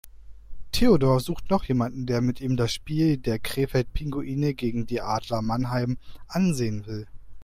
Theodor sucht noch jemanden, der mit ihm das Spiel der Krefeld Pinguine gegen die Adler Mannheim ansehen will.